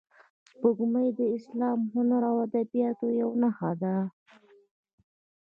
سپوږمۍ د اسلام، هنر او ادبیاتو یوه نښه ده